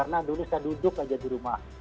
karena dulu saya duduk aja di rumah